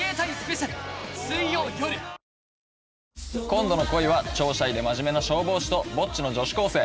今度の恋は超シャイで真面目な消防士とぼっちの女子高生。